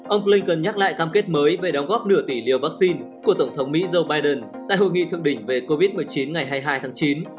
ông blinken nhắc lại cam kết mới về đóng góp nửa tỷ liều vaccine của tổng thống mỹ joe biden tại hội nghị thượng đỉnh về covid một mươi chín ngày hai mươi hai tháng chín